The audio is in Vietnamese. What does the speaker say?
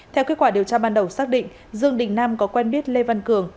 theo kết quả điều tra ban đầu xác định dương đình nam có quen biết lê văn cường